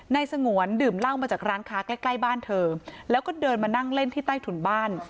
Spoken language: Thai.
สงวนดื่มเหล้ามาจากร้านค้าใกล้ใกล้บ้านเธอแล้วก็เดินมานั่งเล่นที่ใต้ถุนบ้าน